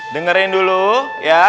dengerin dulu ya